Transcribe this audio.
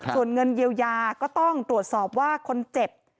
ส่วนเงินเยียวยาก็ต้องตรวจสอบว่าคนเจ็บ